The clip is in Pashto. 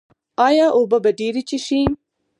ایا اوبه به ډیرې څښئ؟